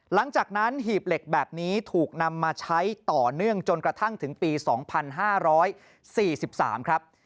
หลังจากนั้นหีบเหล็กแบบนี้ถูกนำมาใช้ต่อเนื่องจนกระทั่งถึงปี๒๕๔๓ครับ